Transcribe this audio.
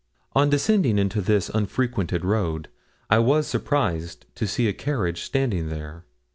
On descending into this unfrequented road, I was surprised to see a carriage standing there.